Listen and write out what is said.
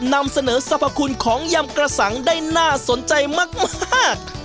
นำเสนอสรรพคุณของยำกระสังได้น่าสนใจมาก